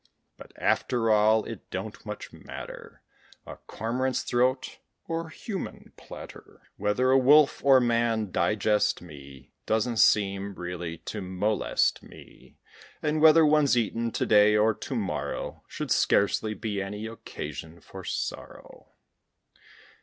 But, after all, it don't much matter A Cormorant's throat or human platter Whether a wolf or man digest me, Doesn't seem really to molest me; And whether one's eaten to day or to morrow Should scarcely be any occasion for sorrow.